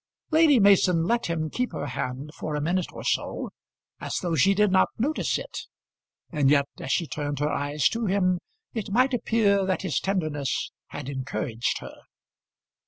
Lady Mason let him keep her hand for a minute or so, as though she did not notice it; and yet as she turned her eyes to him it might appear that his tenderness had encouraged her.